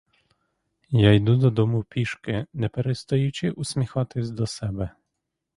Я йду додому пішки, не перестаючи усміхатись до себе.